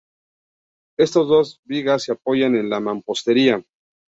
Estas dos vigas se apoyaban en la mampostería.